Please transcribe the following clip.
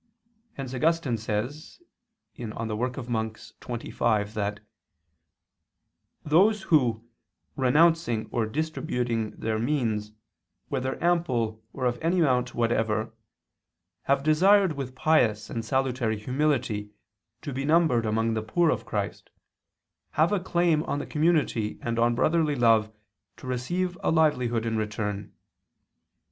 Hence Augustine says (De oper. Monach. xxv) that "those who renouncing or distributing their means, whether ample or of any amount whatever, have desired with pious and salutary humility to be numbered among the poor of Christ, have a claim on the community and on brotherly love to receive a livelihood in return.